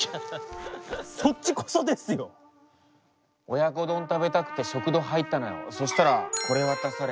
親子丼食べたくて食堂入ったのよそしたらこれ渡されて。